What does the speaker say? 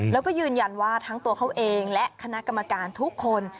แล้วก็ยืนยันว่าทั้งตัวเขาเองและคณะกรรมการทุกคน